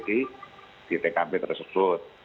di tkp tersebut